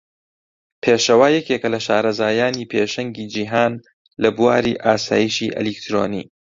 پێشەوا یەکێکە لە شارەزایانی پێشەنگی جیهان لە بواری ئاسایشی ئەلیکترۆنی.